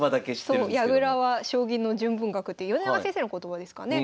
そう「矢倉は将棋の純文学」って米長先生の言葉ですかね。